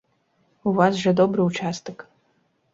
У вас жа добры ўчастак.